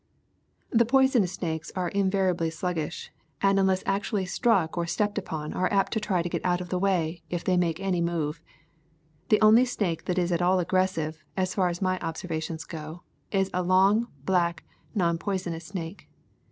The poisonous snakes are invariably sluggish, and unless actually struck or stepped upon are apt to try to get out of the way, if they make any move. The only snake that is at all aggressive, as far as my observations go, is a long, black, non poisonous snake.